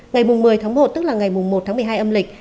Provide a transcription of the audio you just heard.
ngày một mươi tháng một tức là ngày một tháng một mươi hai âm lịch